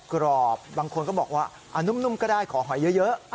กรอบบางคนก็บอกว่านุ่มก็ได้ขอหอยเยอะ